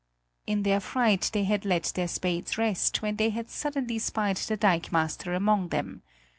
In their fright they had let their spades rest, when they had suddenly spied the dikemaster among them.